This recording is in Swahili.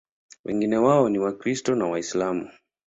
Wengi wao ni Wakristo na Waislamu.